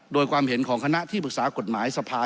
โดยความเห็นของคณะที่ปรึกษากฎหมายสภา